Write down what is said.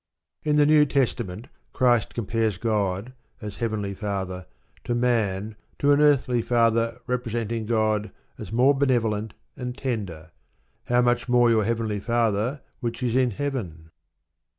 In the New Testament Christ compares God, as Heavenly Father to Man, to an earthly father, representing God as more benevolent and tender: "How much more your Father which is in heaven?"